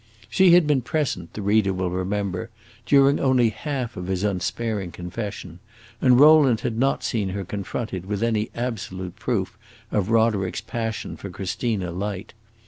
She had been present, the reader will remember, during only half of his unsparing confession, and Rowland had not seen her confronted with any absolute proof of Roderick's passion for Christina Light.